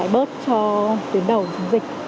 giải bớt cho tuyến đầu dịch